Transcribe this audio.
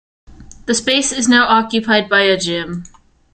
The space is now occupied by a gym.